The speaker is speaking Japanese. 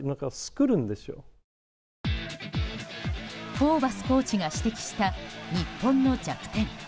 ホーバスコーチが指摘した日本の弱点。